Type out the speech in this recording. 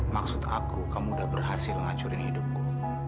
maksud aku kamu udah berhasil menghancurkan hidupku